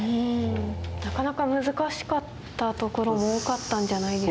なかなか難しかったところも多かったんじゃないですか？